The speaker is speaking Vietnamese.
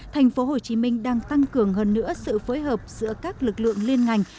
thành phố hồ chí minh đang tăng cường hơn nữa sự phối hợp giữa các lực lượng liên ngành